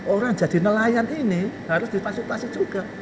orang jadi nelayan ini harus difasilitasi juga